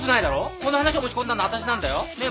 この話を持ち込んだの私なんだよねえ？